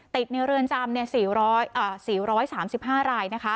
ในเรือนจำ๔๓๕ราย